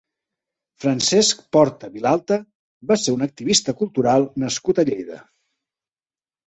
Francesc Porta Vilalta va ser un activista cultural nascut a Lleida.